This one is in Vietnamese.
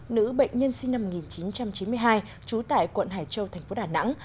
nữ bệnh nhân sinh năm một nghìn chín trăm chín mươi hai trú tại quận hải châu thành phố đà nẵng